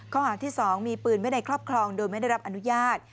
ข้อหาที่๒มีปืนไว้ในครอบครองโดยไม่ได้รับอนุญาต